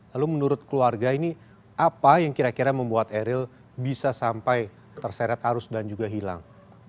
lalu menurut keluarga ini apa yang kira kira membuat eril bisa sampai terseret arus dan juga hilang